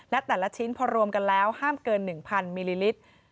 และแต่ละชิ้นพอรวมกันแล้วห้ามเกิน๑๐๐มิลลิลิตร